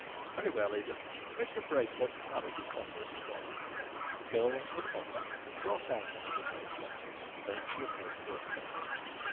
"Very well, Edith, fetch the bracelet from that coffer in the corner." The girl went to the coffer and brought out the little bracelet, then she approached Walter.